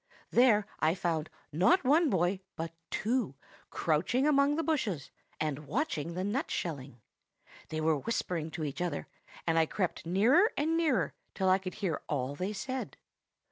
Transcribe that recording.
There I found, not one boy, but two, crouching among the bushes, and watching the nut shelling. They were whispering to each other; and I crept nearer and nearer till I could hear all they said.